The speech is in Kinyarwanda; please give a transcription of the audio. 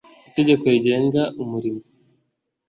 itegeko rigenga umurimo